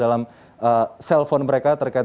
dalam cell phone mereka terkait